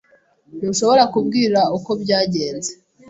Ntushobora kubwira uko byagenze.